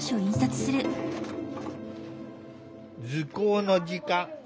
図工の時間。